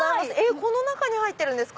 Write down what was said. この中に入ってるんですか？